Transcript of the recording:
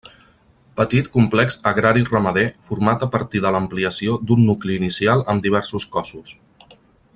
Petit complex agrari- ramader format a partir de l'ampliació d'un nucli inicial amb diversos cossos.